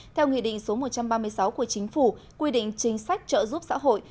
theo nghị định số một trăm ba mươi sáu của chính phủ quy định chính sách trợ giúp xã hội